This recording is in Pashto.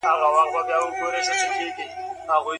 که کروندګر کار وکړي، نو غنم پيدا کيږي.